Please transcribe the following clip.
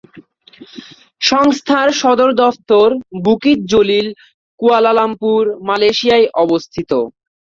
সংস্থার সদর দফতর বুকিত জলিল, কুয়ালালামপুর, মালয়েশিয়ায় অবস্থিত।